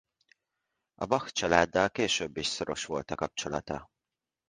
A Bach-családdal később is szoros volt a kapcsolata.